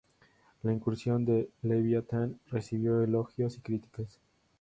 La incursión del Leviatán recibió elogios y críticas.